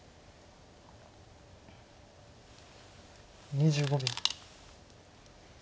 ２５秒。